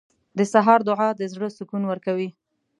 • د سهار دعا د زړه سکون ورکوي.